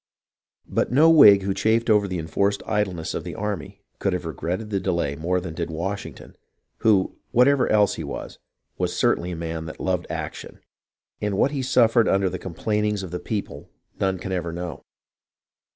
But no Whig who chafed over the enforced idleness of the army could have regretted the delay more than did Washing ton, who, whatever else he was, was certainly a man that loved action ; and what he suffered under the complainings of the people none can ever know.